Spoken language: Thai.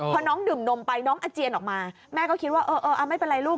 พอน้องดื่มนมไปน้องอาเจียนออกมาแม่ก็คิดว่าเออไม่เป็นไรลูก